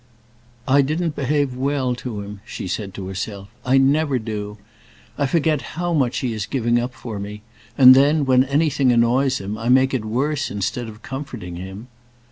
"I didn't behave well to him," she said to herself; "I never do. I forget how much he is giving up for me; and then, when anything annoys him, I make it worse instead of comforting him."